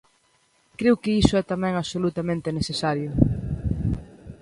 Creo que iso é tamén absolutamente necesario.